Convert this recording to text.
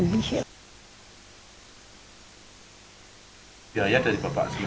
biaya dari bapak